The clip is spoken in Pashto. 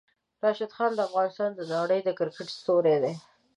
راشد خان د افغانستان او د نړۍ د کرکټ ستوری ده!